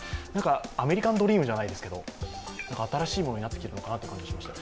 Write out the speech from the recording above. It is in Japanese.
アメリカンドリームじゃないですけど新しいものになってきているのかなという感じがしました。